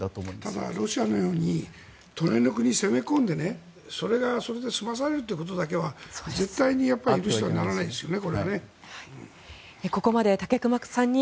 ただ、ロシアのように隣の国に攻め込んでそれで済まされるということだけは絶対に許してはならないですね。